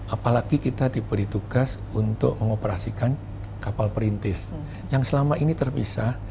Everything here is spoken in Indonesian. apalagi kita diberi tugas untuk mengoperasikan kapal perintis yang selama ini terpisah